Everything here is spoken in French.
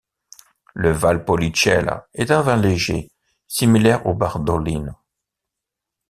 Le Valpolicella est un vin léger, similaire au Bardolino.